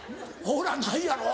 ほらないやろ。